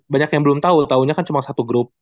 banyak yang belum tau taunya kan cuma satu grup